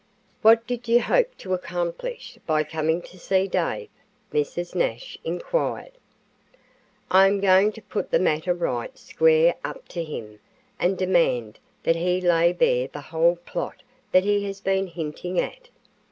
"What did you hope to accomplish by coming to see Dave?" Mrs. Nash inquired. "I am going to put the matter right square up to him and demand that he lay bare the whole plot that he has been hinting at.